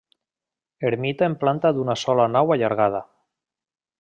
Ermita en planta d'una sola nau allargada.